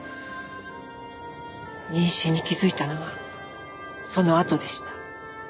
妊娠に気づいたのはそのあとでした。